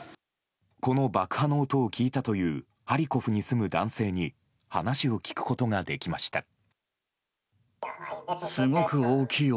この爆破の音を聞いたというハリコフに住む男性に話を聞くことができました。